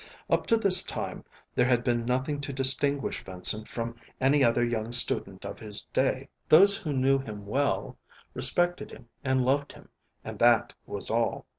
Up to this time there had been nothing to distinguish Vincent from any other young student of his day. Those who knew him well respected him and loved him, and that was all.